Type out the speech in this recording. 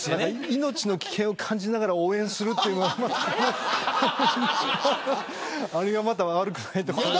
命の危険を感じながら応援するというのがまた悪くないというか。